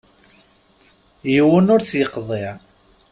Yiwen ur t-yeqḍiɛ.